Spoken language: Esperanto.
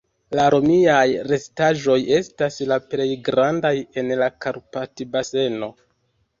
La romiaj restaĵoj estas la plej grandaj en la Karpat-baseno.